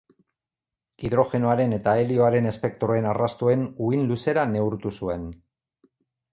Hidrogenoaren eta helioaren espektroen arrastoen uhin-luzera neurtu zuen.